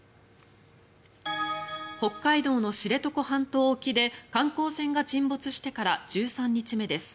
北海道の知床半島沖で観光船が沈没してから１３日目です。